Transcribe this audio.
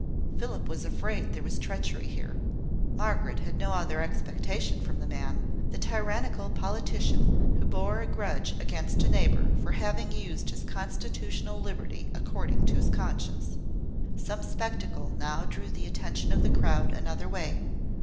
Philip was afraid there was treachery here. Margaret had no other expectation from the man the tyrannical politician, who bore a grudge against a neighbour for having used his constitutional liberty according to his conscience. Some spectacle now drew the attention of the crowd another way.